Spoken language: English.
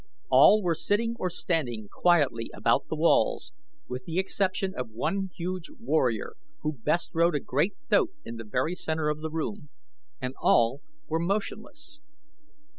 All were sitting or standing quietly about the walls, with the exception of one huge warrior who bestrode a great thoat in the very center of the room, and all were motionless.